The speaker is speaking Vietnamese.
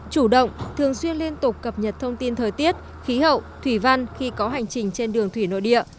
chủ động thường xuyên liên tục cập nhật thông tin thời tiết khí hậu thủy văn khi có hành trình trên đường thủy nội địa